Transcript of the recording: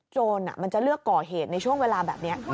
โจรมันจะเลือกก่อเหตุในช่วงเวลาแบบนี้